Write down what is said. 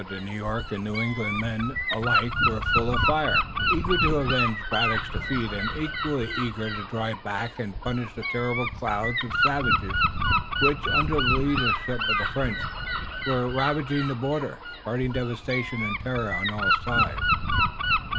The New York and New England men alike were full of fire, eager to avenge Braddock's defeat and equally eager to drive back and punish the terrible clouds of savages which, under the leadership of the French, were ravaging the border, spreading devastation and terror on all sides.